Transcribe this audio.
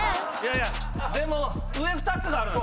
でも上２つがあるのよ。